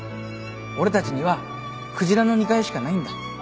俺たちにはクジラの２階しかないんだ。